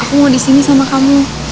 aku mau di sini sama kamu